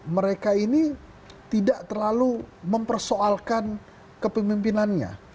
mereka ini tidak terlalu mempersoalkan kepemimpinannya